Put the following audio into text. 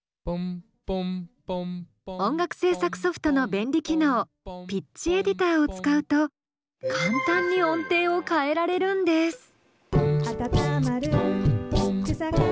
音楽制作ソフトの便利機能ピッチエディターを使うと簡単に音程を変えられるんです。